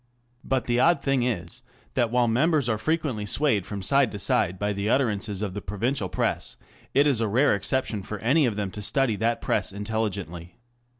But the odd thing is that while members are frequently swayed from side to side by the utterances of the provincial Press, it is a rare exception for any of them to study that Press intelligently.